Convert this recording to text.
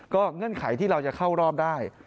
เงื่อนไขที่เราจะเข้ารอบได้